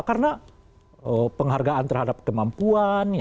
karena penghargaan terhadap kemampuan